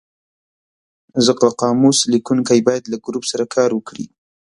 ځکه قاموس لیکونکی باید له ګروپ سره کار وکړي.